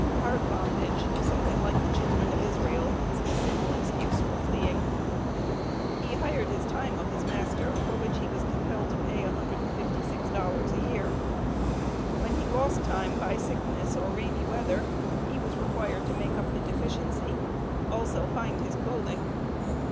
Hard bondage something like the children of Israel," was his simple excuse for fleeing. He hired his time of his master, for which he was compelled to pay $156 a year. When he lost time by sickness or rainy weather, he was required to make up the deficiency, also find his clothing.